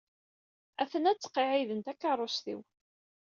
Atena ttqiɛɛiden takeṛṛust-iw.